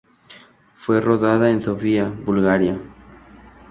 Fue rodada en Sofía, Bulgaria.